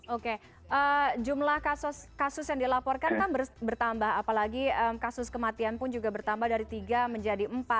oke jumlah kasus kasus yang dilaporkan kan bertambah apalagi kasus kematian pun juga bertambah dari tiga menjadi empat